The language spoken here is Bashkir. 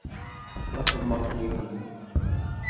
Атылмаҡ йәки